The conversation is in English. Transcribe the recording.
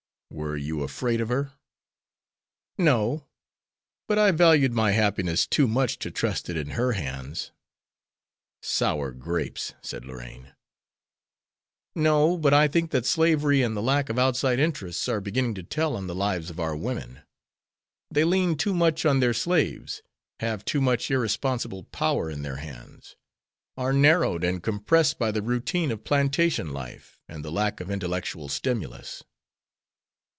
"Were you afraid of her?" "No; but I valued my happiness too much to trust it in her hands." "Sour grapes!" said Lorraine. "No! but I think that slavery and the lack of outside interests are beginning to tell on the lives of our women. They lean too much on their slaves, have too much irresponsible power in their hands, are narrowed and compressed by the routine of plantation life and the lack of intellectual stimulus."